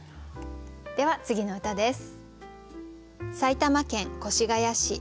では次の歌です。